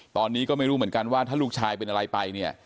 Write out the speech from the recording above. ตอนนี้ก็ไม่รู้เหมือนกันว่าถ้าลูกชายเป็นอะไรไปเนี่ย